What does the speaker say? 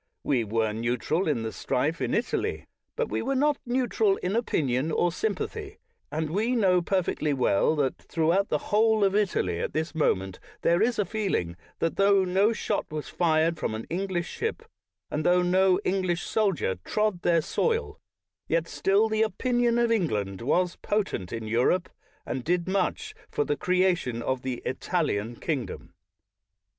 We were neu tral in the strife in Italy, but we were not neutral in opinion or sympathy; and we know perfectly well that throughout the whole of Italy at this moment there is a feeling that, tho no shot was fired from an English ship, and tho no English soldier trod their soil, yet still the opinion of England was poteDt in Europe, and did much for the creation of the Italian kingdom.